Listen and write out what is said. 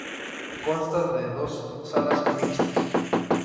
Consta de dos Salas Mixtas.